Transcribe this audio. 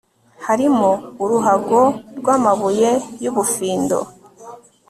harimo uruhago rw'amabuye y'ubufindo